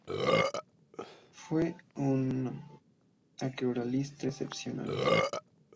Fue un acuarelista excepcional.